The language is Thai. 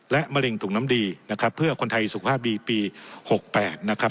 และมะเร็งถุงน้ำดีนะครับเพื่อคนไทยสุขภาพดีปี๖๘นะครับ